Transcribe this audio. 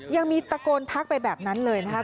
ยังมีตะโกนทักไปแบบนั้นเลยนะคะ